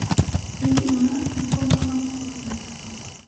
Мин уны... альбомыма ҡуйғайным!..